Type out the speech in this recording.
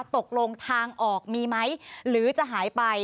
ตกลงทางออกมีไหมหรือจะหายไป